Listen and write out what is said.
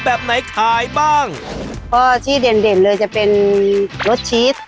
แบบไหนขายบ้างก็ที่เด่นเด่นเลยจะเป็นรสชีส